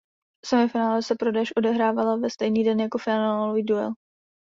Semifinále se pro déšť odehrála ve stejný den jako finálový duel.